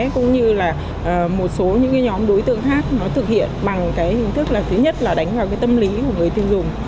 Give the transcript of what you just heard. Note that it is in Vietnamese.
cũng như là một số những cái nhóm đối tượng khác nó thực hiện bằng cái hình thức là thứ nhất là đánh vào cái tâm lý của người tiêu dùng